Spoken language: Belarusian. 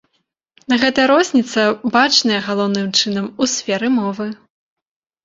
Гэта розніца бачная галоўным чынам у сферы мовы.